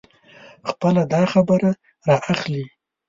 خپله داخبره را اخلي.